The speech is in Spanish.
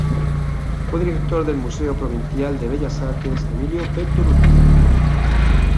Fue director del Museo Provincial de Bellas Artes Emilio Pettoruti.